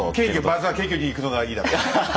まずは謙虚にいくのがいいだろうと。